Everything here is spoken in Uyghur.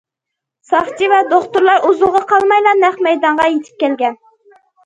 ساقچى ۋە دوختۇرلار ئۇزۇنغا قالمايلا نەق مەيدانغا يېتىپ كەلگەن.